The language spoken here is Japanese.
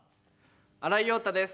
新井庸太です。